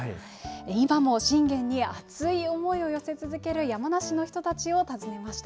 今も信玄に熱い思いを寄せ続ける山梨の人たちを訪ねました。